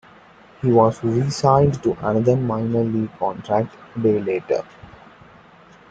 He was re-signed to another minor league contract a day later.